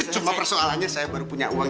cuma persoalannya saya baru punya uang